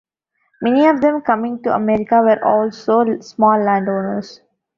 Many of them coming to America were also small landowners.